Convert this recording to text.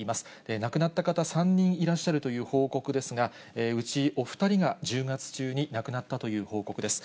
亡くなった方、３人いらっしゃるという報告ですが、うちお２人が１０月中に亡くなったという報告です。